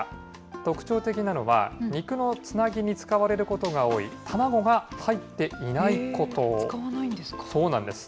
特徴的なのは肉のつなぎに使われることが多い卵が入っていないこ使わないんですか。